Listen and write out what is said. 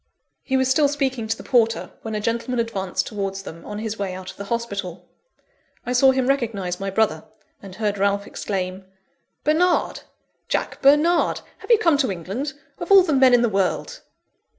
He was still speaking to the porter, when a gentleman advanced towards them, on his way out of the hospital. I saw him recognise my brother, and heard Ralph exclaim: "Bernard! Jack Bernard! Have you come to England, of all the men in the world!"